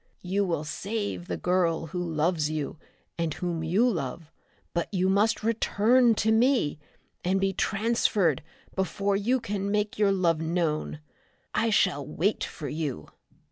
You will save the girl who loves you and whom you love, but you must return to me and be transferred before you can make your love known. I shall wait for you!"